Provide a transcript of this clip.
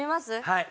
はい。